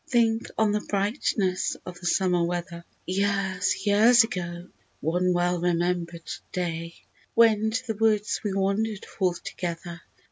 Think on the brightness of the summer weather, Years, years ago, one well remember'd day, When to the woods we wander'd forth together.